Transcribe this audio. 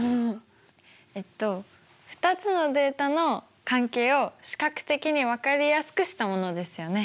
えっと２つのデータの関係を視覚的に分かりやすくしたものですよね。